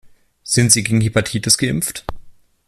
Sind Sie gegen Hepatitis geimpft?